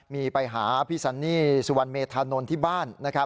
มีไปหาพี่ซันนี่สุวรรณเมธานนที่บ้าน